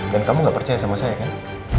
dan kamu gak percaya sama saya kan